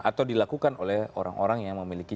atau dilakukan oleh orang orang yang memiliki